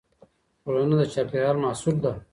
ټولنه د چاپېريال محصول ده.